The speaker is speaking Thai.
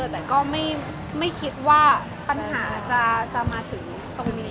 คือว่าเขาไม่คิดว่าปัญหาจะมาถึงตรงนี้